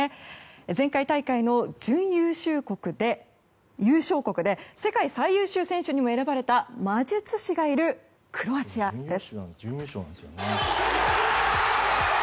前回大会の準優勝国で世界最優秀選手にも選ばれた魔術師がいるクロアチアです。